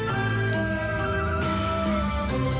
โอ้โหโอ้โหโอ้โห